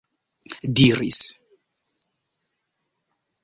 diris